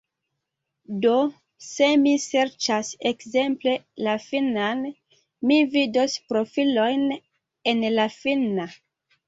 Do, se mi serĉas ekzemple la finnan, mi vidos profilojn en la finna.